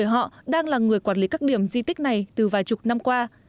họ đang là người quản lý các điểm di tích này từ vài chục năm qua